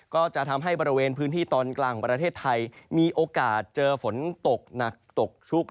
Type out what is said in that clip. ก็จะทำให้บริเวณพื้นที่ตอนกลางของประเทศไทยมีโอกาสเจอฝนตกหนักตกชุก